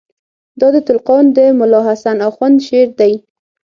دا د تُلُقان د ملاحسن آخوند شعر دئ.